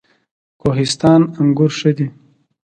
کوهستان انګور ښه دي؟